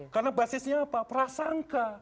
karena basisnya apa prasangka